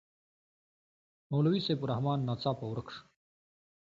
مولوي سیف الرحمن ناڅاپه ورک شو.